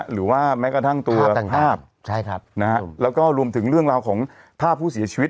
หรือว่าแม้กระทั่งตัวภาพต่างใช่ครับนะฮะแล้วก็รวมถึงเรื่องราวของภาพผู้เสียชีวิต